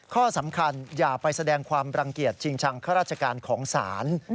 ข้อสำคัญอย่าไปแสดงความรังเกียจชิงชังข้าราชการของศาล